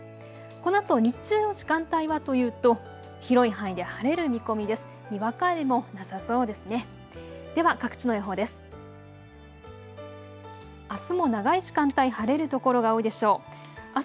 このあと日中の時間帯はというと広い範囲で晴れる見込みです。